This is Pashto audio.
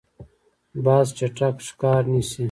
باز چټک ښکار نیسي.